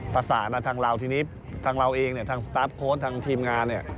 ภาษาทางเราทีนี้ทางเราเองทางสตาปโค้ชทางทีมงาน